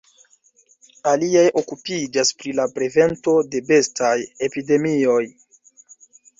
Aliaj okupiĝas pri la prevento de bestaj epidemioj.